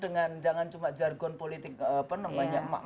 dengan jangan cuma jargon politik apa namanya mak mak